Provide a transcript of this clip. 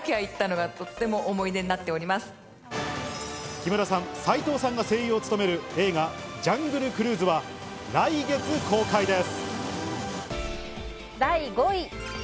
木村さん、斉藤さんが声優を務める映画『ジャングル・クルーズ』は来月公開です。